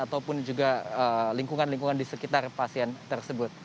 ataupun juga lingkungan lingkungan di sekitar pasien tersebut